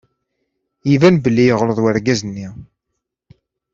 Iban belli yeɣleḍ wergaz-nni.